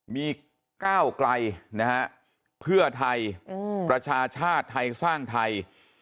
มีก้าวไกลนะฮะเพื่อไทยประชาชาติไทยสร้างไทย